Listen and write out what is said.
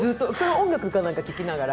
音楽か何か聴きながら？